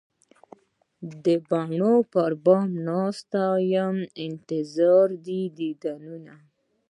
د بڼو پر بام یې ناست وي انتظار د دیدنونه